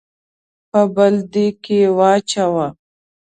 په بل دېګ کې واچوو.